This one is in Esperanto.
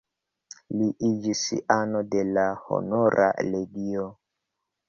Li iĝis ano de la Honora Legio.